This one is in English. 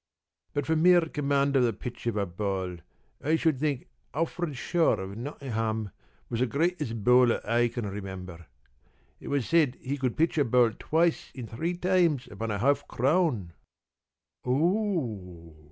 But for mere command of the pitch of a ball I should think Alfred Shaw, of Nottingham, was the greatest bowler I can remember. It was said that he could pitch a ball twice in three times upon a half crown!" "Oo!"